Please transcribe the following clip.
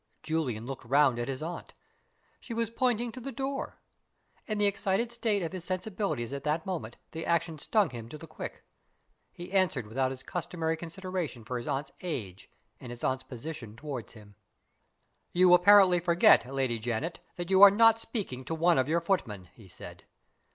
Julian looked round at his aunt. She was pointing to the door. In the excited state of his sensibilities at that moment the action stung him to the quick. He answered without his customary consideration for his aunt's age and his aunt's position toward him. "You apparently forget, Lady Janet, that you are not speaking to one of your footmen," he said.